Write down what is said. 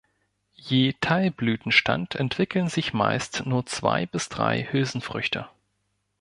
Je Teilblütenstand entwickeln sich meist nur zwei bis drei Hülsenfrüchte.